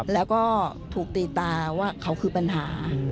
แล้วก็ถูกตีตาว่าเขาคือปัญหา